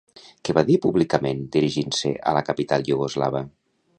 Què va dir públicament dirigint-se a la capital iugoslava?